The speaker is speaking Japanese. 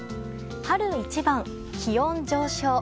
春一番、気温上昇。